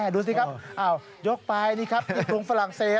ดูสิครับยกไปนี่ครับที่กรุงฝรั่งเศส